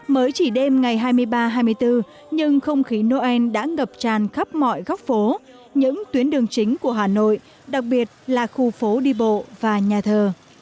mới chỉ đêm ngày hai mươi ba hai mươi bốn nhưng không khí noel đã ngập tràn khắp mọi góc phố những tuyến đường chính của hà nội đặc biệt là khu phố đi bộ và nhà thờ